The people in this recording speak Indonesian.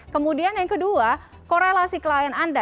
kemudian yang kedua korelasi klien anda